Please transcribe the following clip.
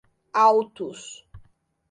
Altos